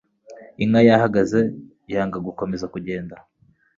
Inka yahagaze yanga gukomeza kugenda